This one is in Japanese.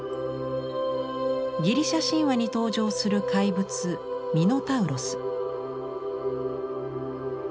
ギリシャ神話に登場する怪物ミノタウロス。